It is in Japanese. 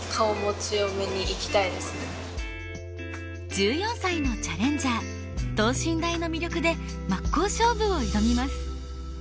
１４歳のチャレンジャー等身大の魅力で真っ向勝負を挑みます。